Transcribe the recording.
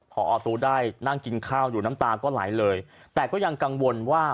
พอตู้ได้นั่งกินข้าวอยู่น้ำตาก็ไหลเลยแต่ก็ยังกังวลว่า